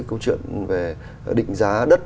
câu chuyện về định giá đất